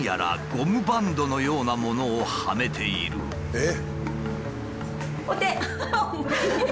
えっ！